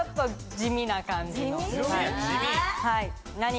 地味。